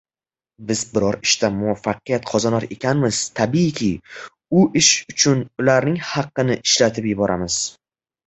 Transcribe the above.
Biz biror ishda muvaffaqiyat qozonar ekanmiz, tabiiyki, u ish uchun ularning haqqini ishlatib yuboramiz.